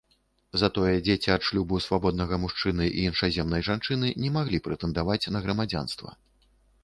Затое дзеці ад шлюбу свабоднага мужчыны і іншаземнай жанчыны не маглі прэтэндаваць на грамадзянства.